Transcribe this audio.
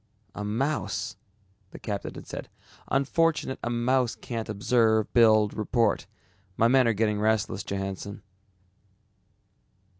"A mouse!" the captain had said, "unfortunate a mouse can't observe, build, report. My men are getting restless, Johannsen."